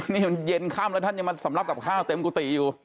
นี่มันเย็นค่ำแล้วท่านยังมาสำรับกับข้าวเต็มกุฏิอยู่